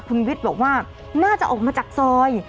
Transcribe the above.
คุณวิทย์บอกว่าน่าจะออกมาจากซอย